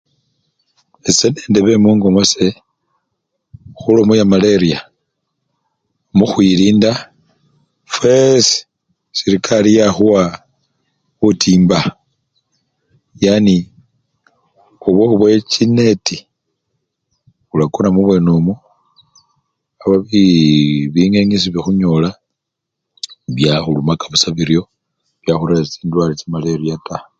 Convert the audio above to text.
Ese nende bemungo mwase khulomo yamaleriya mukhwilinda fweeesi, serekari yakhuwa butimba yani khubowabubowe chineti olakona mubwene omwo aba biii! bingenge sebikhunyola byakhulumaka busa biryo byakhurerera chindwale cha maleria taa.